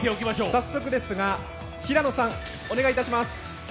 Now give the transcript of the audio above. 早速ですが、平野さん、お願いいたします。